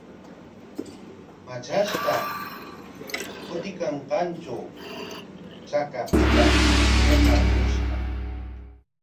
Chay runa wasinman matrashqa kutiykanqantraw chakapik hiqarpushqa.